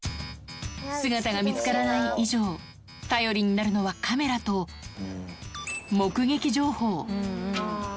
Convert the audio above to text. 姿が見つからない以上、頼りになるのはカメラと、目撃情報。